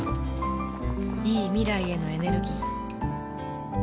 いい未来へのエネルギー